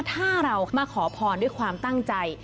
ถ้าเรามาขอพรด้วยความตั้งใจ